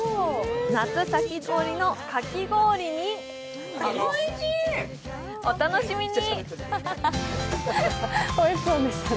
夏先取りのかき氷にお楽しみに！